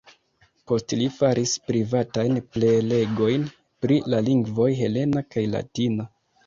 Post li faris privatajn prelegojn pri la lingvoj helena kaj latina.